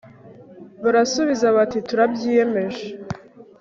barasubiza bati turabyiyemeje